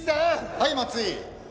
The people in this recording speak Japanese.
はい松井。